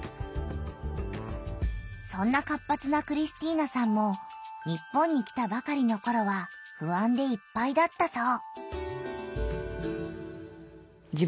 そんな活発なクリスティーナさんも日本に来たばかりのころはふあんでいっぱいだったそう。